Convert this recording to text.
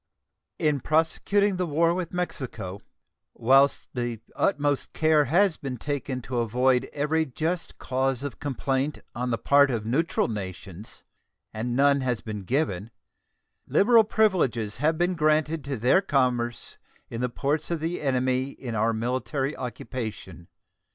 In prosecuting the war with Mexico, whilst the utmost care has been taken to avoid every just cause of complaint on the part of neutral nations, and none has been given, liberal privileges have been granted to their commerce in the ports of the enemy in our military occupation.